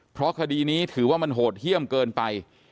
เพราะคดีนี้ถือว่ามันโหดเยี่ยมเกินไป